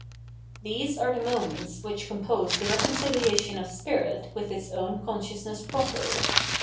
These are the moments which compose the reconcilia tion of spirit with its own consciousness proper.